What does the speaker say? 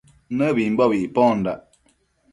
Mibimbobi nicpondac